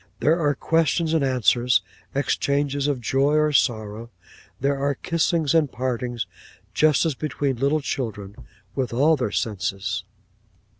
There are questions and answers, exchanges of joy or sorrow, there are kissings and partings, just as between little children with all their senses."